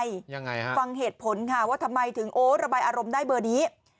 ยังไงฮะฟังเหตุผลค่ะว่าทำไมถึงโอ้ระบายอารมณ์ได้เบอร์นี้